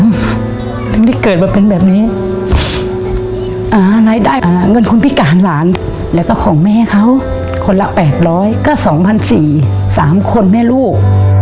ยังได้เกิดมาเป็นแบบนี้อะไรได้เงินคุณพี่ก่านหลานแล้วก็ของแม่เขาคนละแปดร้อยก็สองพันสี่สามคนแม่ลูก